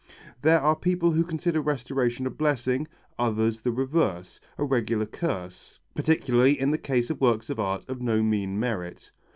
There are people who consider restoration a blessing, others the reverse, a regular curse; particularly in the case of works of art of no mean merit.